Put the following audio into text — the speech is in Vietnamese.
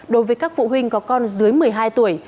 đối với các phụ huynh có con dưới một mươi hai tuổi